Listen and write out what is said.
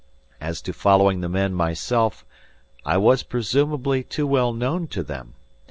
As to following the men myself, I was presumably too well known to them.